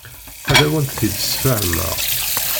Ad awent-t-id-sfehmeɣ.